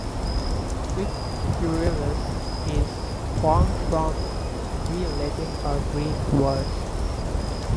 "Crypturellus" is formed from three Latin or Greek words.